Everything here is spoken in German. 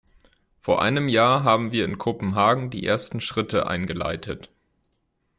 Vor einem Jahr haben wir in Kopenhagen die ersten Schritte eingeleitet.